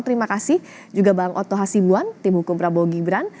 terima kasih juga bang otto hasibuan tim hukum prabowo gibran